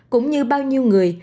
cũng như bao nhiêu người